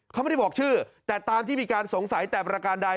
เขาไม่ได้บอกชื่อแต่ตามที่มีการสงสัยแต่ประการใด